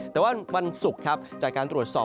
แต่ว่าวันศุกร์ครับจากการตรวจสอบ